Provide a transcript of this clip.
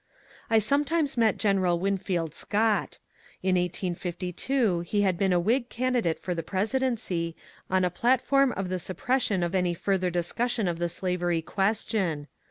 I sometimes met General Winfield Scott. In 1852 he had been a Whig candidate for the presidency, on a platform of the suppression of any further discussion of the slavery ques tion.